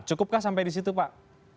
cukupkah sampai di situ pak